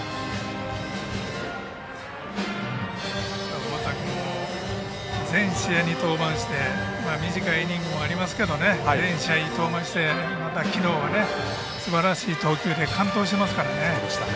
小畠君も全試合に登板して短いイニングもありますけれども全試合に登板してきのうは、すばらしい投球で完投していますからね。